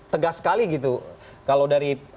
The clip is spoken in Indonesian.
tegas sekali gitu kalau dari